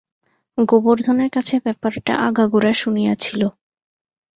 গোবর্ধনের কাছে ব্যাপারটা আগাগোড়া শুনিয়াছিল।